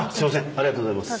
ありがとうございます。